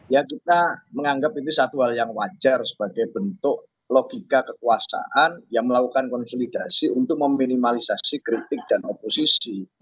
ya kita menganggap itu satu hal yang wajar sebagai bentuk logika kekuasaan yang melakukan konsolidasi untuk meminimalisasi kritik dan oposisi